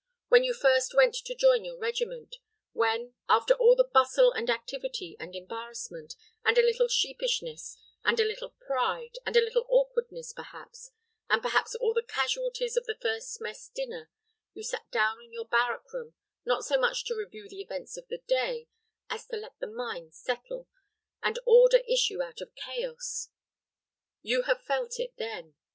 When you first went to join your regiment; when, after all the bustle, and activity, and embarrassment, and a little sheepishness, and a little pride, and a little awkwardness perhaps, and perhaps all the casualties of the first mess dinner, you sat down in your barrack room, not so much to review the events of the day, as to let the mind settle, and order issue out of chaos: you have felt it then.